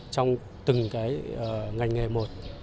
trong từng ngành nghề một